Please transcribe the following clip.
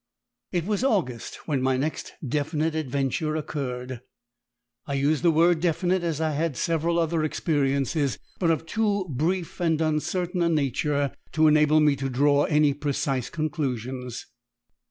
It was August when my next definite adventure occurred. I use the word definite as I had had several other experiences, but of too brief and uncertain a nature to enable me to draw any precise conclusions.